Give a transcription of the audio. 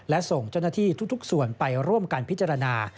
และส่งเจ้าหน้าที่ทุกส่วนไปร่วมกันพิจารณา